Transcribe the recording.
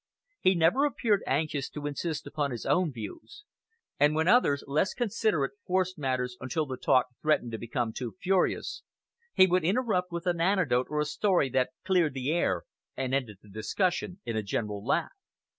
He never appeared anxious to insist upon his own views; and when others, less considerate, forced matters until the talk threatened to become too furious, he would interrupt with an anecdote or a story that cleared the air and ended the discussion in a general laugh.